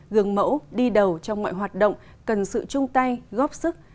gương mẫu đi đầu trong mọi hoạt động cần sự chung tay góp sức